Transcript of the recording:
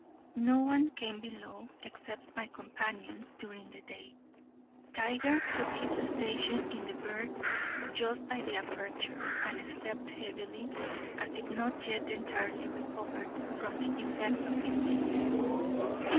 No one came below, except my companion, during the day. Tiger took his station in the berth just by the aperture, and slept heavily, as if not yet entirely recovered from the effects of his sickness.